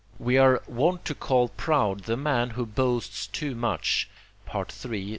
We are wont to call proud the man who boasts too much (III.